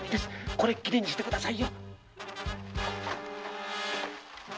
これっきりにしてください。